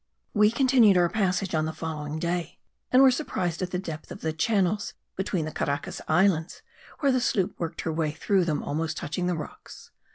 We continued our passage on the following day; and were surprised at the depth of the channels between the Caracas Islands, where the sloop worked her way through them almost touching the rocks.